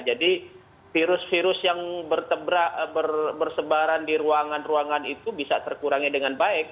jadi virus virus yang bersebaran di ruangan ruangan itu bisa terkurangin dengan baik